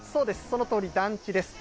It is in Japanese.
そのとおり、団地です。